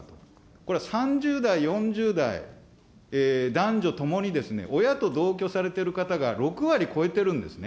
これ３０代、４０代、男女ともにですね、親と同居されている方が６割超えてるんですね。